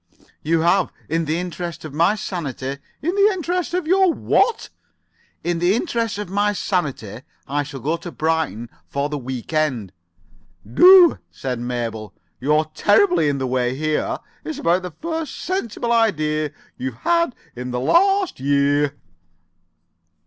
"You have. In the interest of my sanity——" "In the interests of your what?" "In the interests of my sanity I shall go to Brighton for the week end." "Do," said Mabel. "You're terribly in the way here. It's about the first sensible idea you've had for this last year."